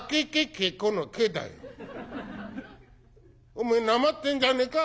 おめえなまってんじゃねえか？」。